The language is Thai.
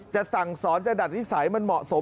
จะสั่งสอนจะดัดนิสัยมันเหมาะสม